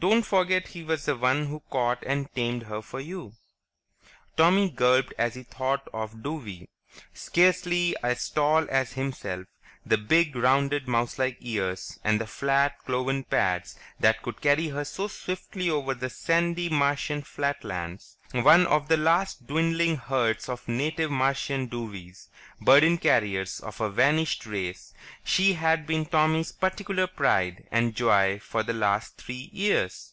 Don't forget he was the one who caught and tamed her for you." Tommy gulped as he thought of Douwie. Scarcely as tall as himself; the big, rounded, mouselike ears, and the flat, cloven pads that could carry her so swiftly over the sandy Martian flatlands. One of the last dwindling herds of native Martian douwies, burden carriers of a vanished race, she had been Tommy's particular pride and joy for the last three years.